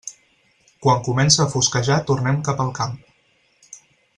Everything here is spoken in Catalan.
Quan comença a fosquejar tornem cap al camp.